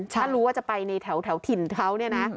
ถ้ารู้ว่าจะไปในแถวถิ่นเขาเนี่ยนะ